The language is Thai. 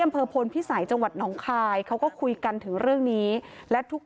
อำเภอพลพิสัยจังหวัดหนองคายเขาก็คุยกันถึงเรื่องนี้และทุก